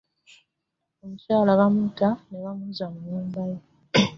Omukyala bamutta n'ebamuzza mu nyumba ye.